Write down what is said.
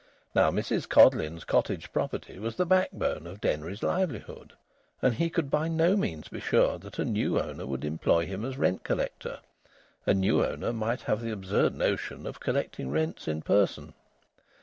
Now, Mrs Codleyn's cottage property was the back bone of Denry's livelihood, and he could by no means be sure that a new owner would employ him as rent collector. A new owner might have the absurd notion of collecting rents in person.